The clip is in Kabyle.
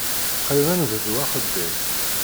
Qrib ad nebdu axeddim.